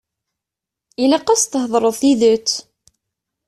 Ilaq ad as-theḍṛeḍ tidet.